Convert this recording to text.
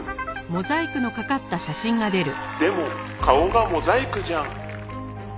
「でも顔がモザイクじゃん」